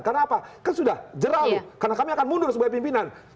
karena apa kan sudah jerauh karena kami akan mundur sebagai pimpinan